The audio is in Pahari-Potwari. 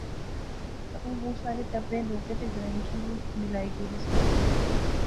تہ او بہوں سارے ٹبریں، لوکیں تہ گرائیں کی وی ملائی جوڑی سکنا